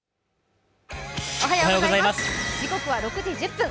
時刻は６時１０分